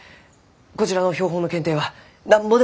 こちらの標本の検定はなんぼでもやりますき。